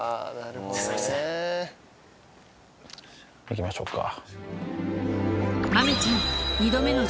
行きましょうか。